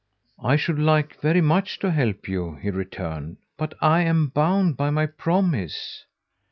"I should like very much to help you," he returned, "but I am bound by my promise."